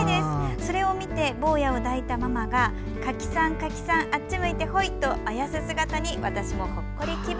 それを見て、坊やを抱いたママが柿さん柿さんあっち向いてホイとあやす姿に、私もほっこり気分。